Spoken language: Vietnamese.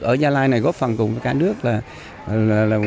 ở gia lai này góp phần cùng với cả nước là